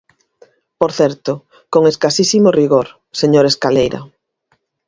Por certo, con escasísimo rigor, señor Escaleira.